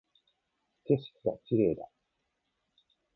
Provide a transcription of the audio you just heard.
景色が綺麗だ